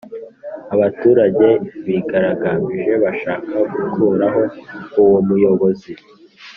Abaturage bigaragambije bashaka gukuraho uwo muyobozi